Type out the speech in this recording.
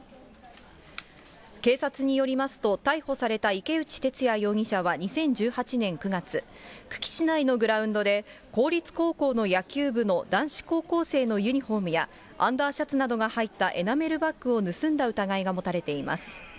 警察によりますと、逮捕された池内徹也容疑者は２０１８年９月、久喜市内のグラウンドで、公立高校の野球部の男子高校生のユニホームやアンダーシャツなどが入ったエナメルバッグを盗んだ疑いが持たれています。